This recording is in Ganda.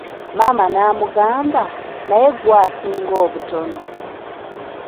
Maama n'amugamba, naye gwe asinga obutono!